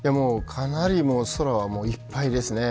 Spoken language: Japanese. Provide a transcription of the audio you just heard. かなり空はいっぱいですね